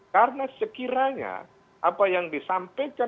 karena sekiranya apa yang disampaikan